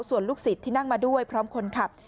ส่วนลูกศิษย์ที่นั่งมาด้วยพร้อมคนขับ